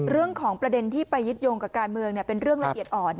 เรื่องของประเด็นที่ไปยึดโยงกับการเมืองเป็นเรื่องละเอียดอ่อน